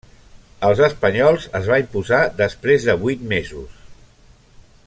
Els espanyols es va imposar després de vuit mesos.